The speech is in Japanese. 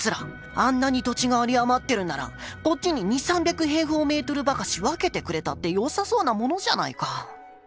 あんなに土地が有り余ってるんなら、こっちに二、三百平方メートルばかし分けてくれたってよさそうなものじゃないか」。